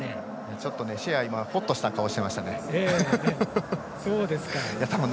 ちょっとシェアほっとした顔をしてましたね。